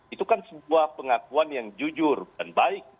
itu kan sebuah pengakuan yang jujur dan baik